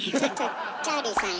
チャーリーさんや！